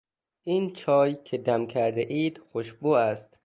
این چای که دم کردهاید خوشبو است.